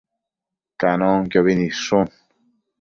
Canonquiobi nidshun